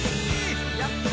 やった！